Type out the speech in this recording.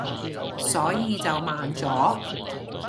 所以就慢咗